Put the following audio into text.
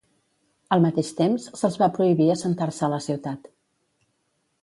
Al mateix temps, se'ls va prohibir assentar-se a la ciutat.